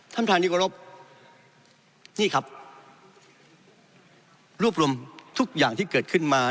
ท่านท่านนิกวรรพนี่ครับรวบรวมทุกอย่างที่เกิดขึ้นมา